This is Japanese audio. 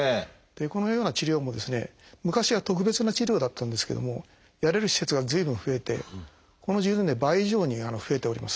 このような治療もですね昔は特別な治療だったんですけどもやれる施設が随分増えてこの１０年で倍以上に増えております。